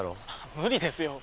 無理ですよ。